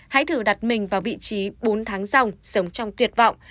hãy thử đặt mình vào vị trí bốn tháng dòng sống trong tuyệt vọng